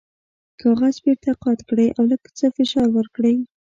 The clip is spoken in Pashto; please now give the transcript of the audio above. کاغذ بیرته قات کړئ او لږ څه فشار ورکړئ.